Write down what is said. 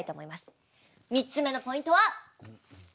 ３つ目のポイントはこちら。